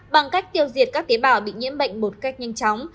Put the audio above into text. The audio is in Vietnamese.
bằng cách tiêu diệt các tế bào bị nhiễm bệnh một cách nhanh chóng